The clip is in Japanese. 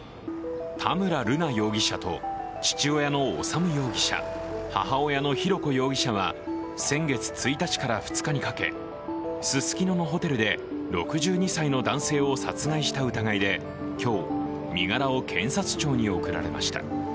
田村瑠奈容疑者と父親の修容疑者、母親の浩子容疑者は先月１日から２日にかけ、ススキノのホテルで６２歳の男性を殺害した疑いで今日、身柄を検察庁に送られました。